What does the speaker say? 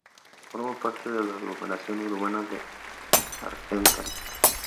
Forma parte de la aglomeración urbana de Argentan.